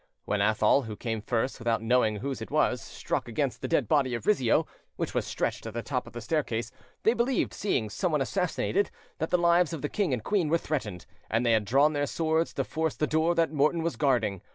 When Athol, who came first, without knowing whose it was, struck against the dead body of Rizzio, which was stretched at the top of the staircase, they believed, seeing someone assassinated, that the lives of the king and queen were threatened, and they had drawn their swords to force the door that Morton was guarding.